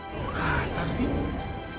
lu kasar sih